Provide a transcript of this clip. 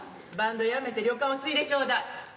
バンドやめて旅館を継いでちょうだい。